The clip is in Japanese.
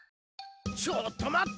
ちょっとまった！